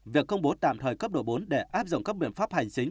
việc công bố tạm thời cấp độ bốn để áp dụng các biện pháp hành chính